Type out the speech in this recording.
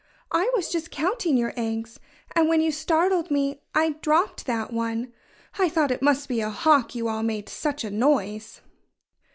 "I was just counting your eggs. And when you startled me, I dropped that one. I thought it must be a hawk, you all made such a noise."